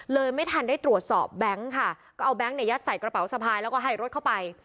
ไม่ทันได้ตรวจสอบแบงค์ค่ะก็เอาแก๊งเนี่ยยัดใส่กระเป๋าสะพายแล้วก็ให้รถเข้าไป